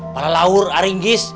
pala laur aringgis